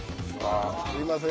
すいません。